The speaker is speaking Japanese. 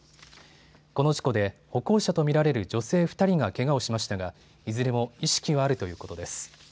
この事故で歩行者と見られる女性２人がけがをしましたがいずれも意識はあるということです。